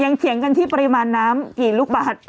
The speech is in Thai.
เถียงกันที่ปริมาณน้ำกี่ลูกบาท